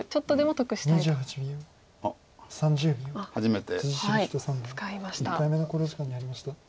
篤仁三段１回目の考慮時間に入りました。